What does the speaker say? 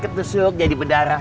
kaki ketusuk jadi berdarah